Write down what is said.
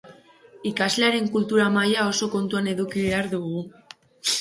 Ikaslearen kultura maila oso kontuan eduki behar dugu.